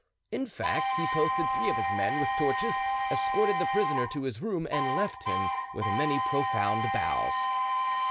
In fact, he posted three of his men, with torches, escorted the prisoner to his room, and left him with many profound bows.